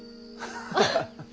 ハハハッ。